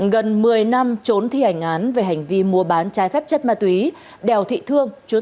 gần một mươi năm trốn thi hành án về hành vi mua bán trái phép chất ma túy đào thị thương chú